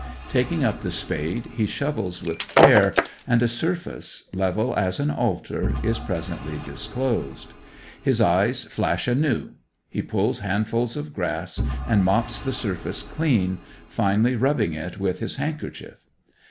Taking up the spade he shovels with care, and a surface, level as an altar, is presently disclosed. His eyes flash anew; he pulls handfuls of grass and mops the surface clean, finally rubbing it with his handkerchief.